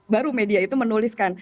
baru media itu menuliskan